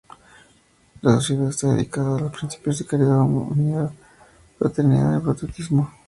La sociedad está dedicada a los principios de caridad, unidad, fraternidad y patriotismo.